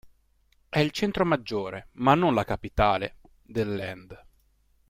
È il centro maggiore, ma non la capitale, del "Land".